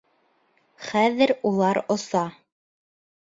Хәҙер улар оса.